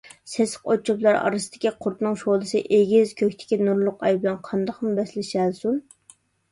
سېسىق ئوت - چۆپلەر ئارىسىدىكى قۇرتنىڭ شولىسى ئېگىز كۆكتىكى نۇرلۇق ئاي بىلەن قانداقمۇ بەسلىشەلىسۇن؟